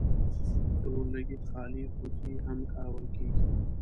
د اور لګیت خالي قطۍ هم کارول کیږي.